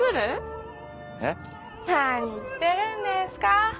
何言ってるんですか？